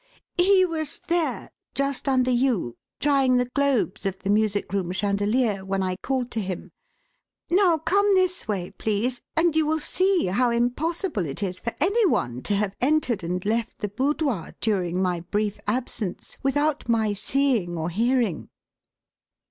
"He was there, just under you, drying the globes of the music room chandelier when I called to him. Now come this way, please, and you will see how impossible it is for any one to have entered and left the boudoir during my brief absence without my seeing or hearing."